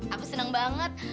aku seneng banget